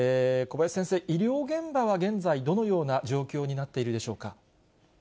小林先生、医療現場は現在、どのような状況になっているでしょうか。